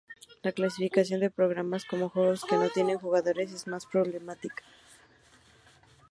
La clasificación de programas como juegos que no tienen jugadores es más problemática.